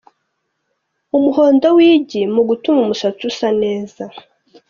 Umuhondo w’igi mu gutuma umusatsi usa neza